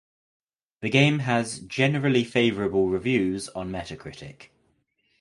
The game has "generally favorable reviews" on Metacritic.